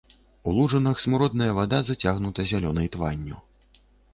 У лужынах смуродная вада зацягнута зялёнай тванню.